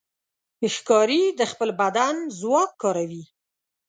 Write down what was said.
ښکاري د خپل بدن ځواک کاروي.